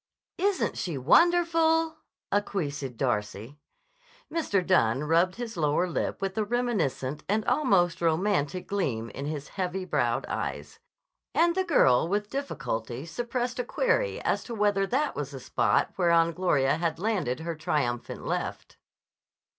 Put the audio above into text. "Isn't she wonderful!" acquiesced Darcy. Mr. Dunne rubbed his lower lip with a reminiscent and almost romantic gleam in his heavy browed eyes, and the girl with difficulty suppressed a query as to whether that was the spot whereon Gloria had landed her triumphant left.